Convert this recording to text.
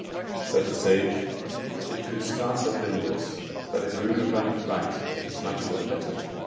Said the Sage: "It could scarce have been for worse; but if rumour runneth right it is much for the better.